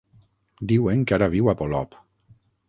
Diuen que ara viu a Polop.